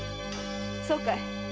そうかい。